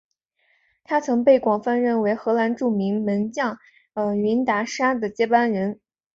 他曾被广泛认为是荷兰著名门将云达沙的接班人。